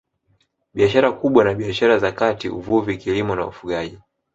Biashara kubwa na biashara za kati Uvuvi Kilimo na Ufugaji